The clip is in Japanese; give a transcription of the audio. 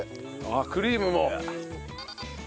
あっクリームも。